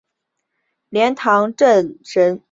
莲塘镇神符岩摩崖石刻的历史年代为元代。